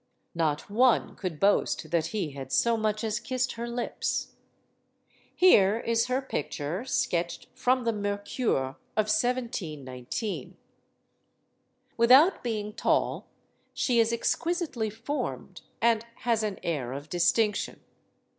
Not one could boast that he had so much as kissed her lips. Here is her picture, sketched from the Mercure, of 1719: Without being tall, she is exquisitely formed and has an air of distinction.